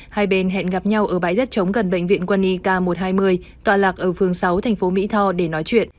hai bên hẹn hẹn gặp nhau ở bãi đất chống gần bệnh viện quân y k một trăm hai mươi tọa lạc ở phường sáu thành phố mỹ tho để nói chuyện